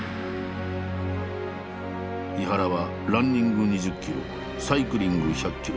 井原はランニング２０キロサイクリング１００キロ